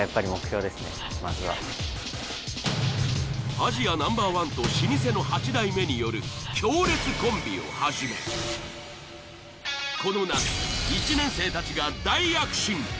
アジアＮｏ．１と老舗の８代目による強烈コンビをはじめこの夏１年生たちが大躍進。